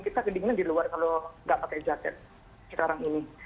kita kedingin di luar kalau nggak pakai jaket sekarang ini